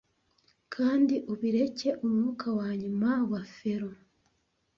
Kandi ubireke; umwuka wanyuma wa felon